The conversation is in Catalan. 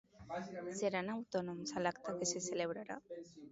Seran autònoms a l'acte que se celebrarà?